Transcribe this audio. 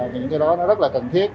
những cái đó nó rất là cần thiết